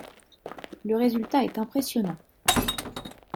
Le résultat est impressionnant.